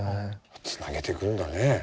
つなげていくんだね。